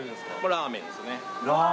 ラーメンですね。